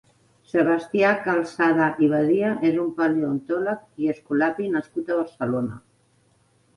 Sebastià Calzada i Badia és un paleontòlec i escolapi nascut a Barcelona.